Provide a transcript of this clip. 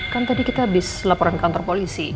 kan tadi kita habis laporan ke kantor polisi